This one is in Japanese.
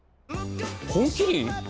「本麒麟」